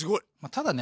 ただね